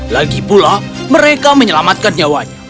lagipula mereka menyelamatkan nyawanya